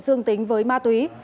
dương tính với ma túy